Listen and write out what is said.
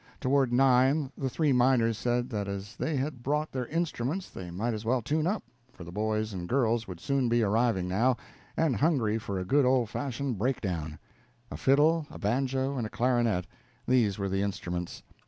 Toward nine the three miners said that as they had brought their instruments they might as well tune up, for the boys and girls would soon be arriving now, and hungry for a good, old fashioned break down. A fiddle, a banjo, and a clarinet these were the instruments.